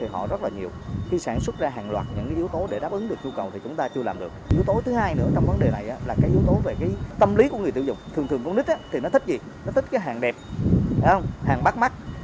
hàng đẹp hàng bắt mắt